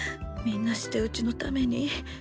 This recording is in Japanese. みんなしてうちのために。